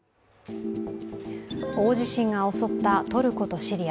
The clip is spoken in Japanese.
大地震が襲ったトルコとシリア。